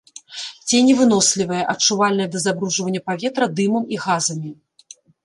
Ценевынослівая, адчувальная да забруджвання паветра дымам і газамі.